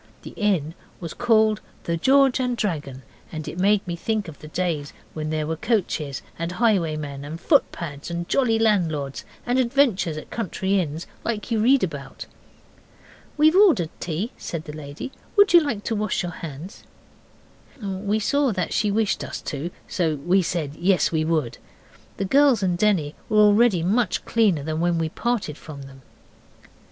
The inn was called the 'George and Dragon', and it made me think of the days when there were coaches and highwaymen and foot pads and jolly landlords, and adventures at country inns, like you read about. 'We've ordered tea,' said the lady. 'Would you like to wash your hands?' We saw that she wished us to, so we said yes, we would. The girls and Denny were already much cleaner than when we parted from them.